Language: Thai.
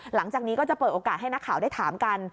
หลังจากนี้ก็จะเปิดโอกาสให้นักข่าวได้ถามกัน